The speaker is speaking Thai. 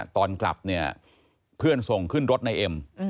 ตอนกลับเนี่ยเพื่อนส่งขึ้นรถนายเอ็ม